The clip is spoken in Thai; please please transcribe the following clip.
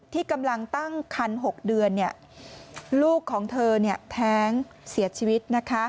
ที่กำลังตั้งคัน๖เดือนลูกของเธอแท้งเสียชีวิต